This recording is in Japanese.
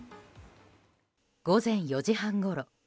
午前４時半ごろ。